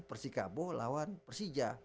persikabo lawan persija